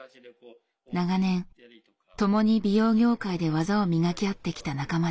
長年共に美容業界で技を磨き合ってきた仲間です。